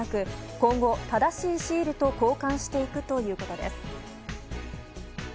今後、正しいシールと交換していくということです。